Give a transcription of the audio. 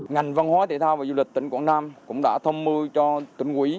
ngành văn hóa thể thao và du lịch tỉnh quảng nam cũng đã thông mưu cho tỉnh quỹ